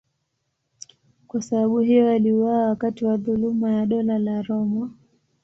Kwa sababu hiyo aliuawa wakati wa dhuluma ya Dola la Roma.